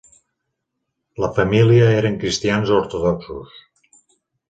La família eren cristians ortodoxos.